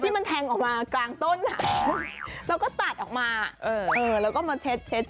มันแทงออกมากลางต้นแล้วก็ตัดออกมาแล้วก็มาเช็ด